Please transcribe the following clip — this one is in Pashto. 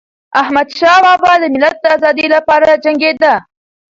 احمدشاه بابا د ملت د ازادی لپاره جنګيده.